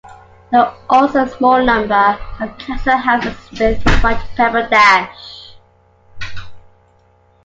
There are also a small number of council houses with white pebbledash.